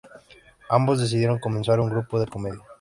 Ambos decidieron comenzar un grupo de comedia.